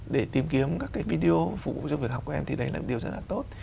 để tìm kiếm các cái video phục vụ cho việc học của em thì đấy là điều rất là tốt